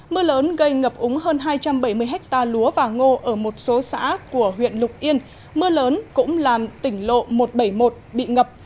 mưa lớn gây ngập úng hơn hai trăm bảy mươi ha lúa và ngô ở một số xã của huyện lục yên mưa lớn cũng làm tỉnh lộ một trăm bảy mươi một bị ngập